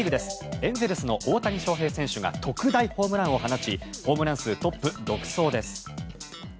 エンゼルスの大谷翔平選手が特大ホームランを放ちホームラン数トップ独走です。